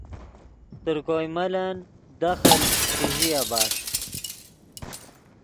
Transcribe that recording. تر کوئے ملن دخل چے ژیا بݰ